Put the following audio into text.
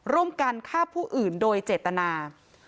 ร่วมกันฆ่าผู้อื่นโดยเจตนา